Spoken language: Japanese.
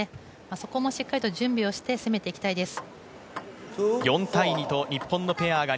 そこもしっかりと準備をして攻めていきたいです。